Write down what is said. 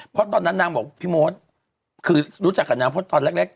เพราะตอนนั้นนางบอกพี่มดคือรู้จักกับนางเพราะตอนแรก